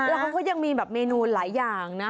แล้วเขาก็ยังมีแบบเมนูหลายอย่างนะ